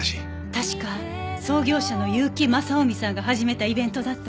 確か創業者の結城正臣さんが始めたイベントだと。